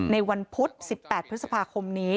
ในวันพุธ๑๘พฤษภาคมนี้